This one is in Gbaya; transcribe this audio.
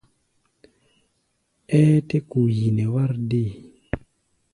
Ɛ́ɛ́ tɛ́ ku yi nɛ wár dée?